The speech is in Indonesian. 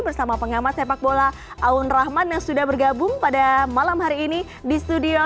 bersama pengamat sepak bola aun rahman yang sudah bergabung pada malam hari ini di studio